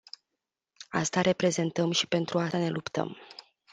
Asta reprezentăm și pentru asta ne luptăm.